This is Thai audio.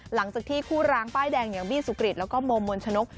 หลังจากที่คู่ร้างป้ายแดงอย่างบี้สุกริตแล้วก็โมมนชนก